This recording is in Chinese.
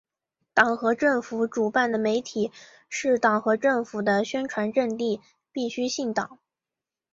党和政府主办的媒体是党和政府的宣传阵地，必须姓党。